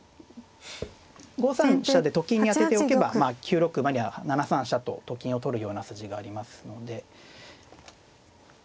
５三飛車でと金に当てておけば９六馬には７三飛車とと金を取るような筋がありますので。